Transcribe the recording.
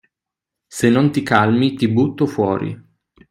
Se non ti calmi ti butto fuori!